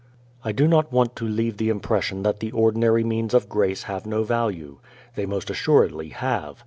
I do not want to leave the impression that the ordinary means of grace have no value. They most assuredly have.